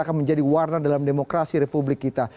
akan menjadi warna dalam demokrasi republik kita